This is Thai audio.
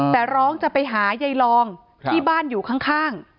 แต่ร้องจะไปหายายรองที่บ้านอยู่ข้าง